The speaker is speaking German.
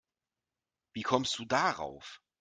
Wie kommst du darauf?